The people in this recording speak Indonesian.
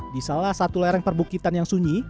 di salah satu lereng perbukitan yang sunyi